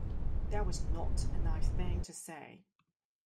That was not a nice thing to say